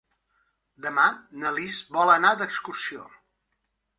Demà na Lis vol anar d'excursió.